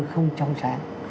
không trong sáng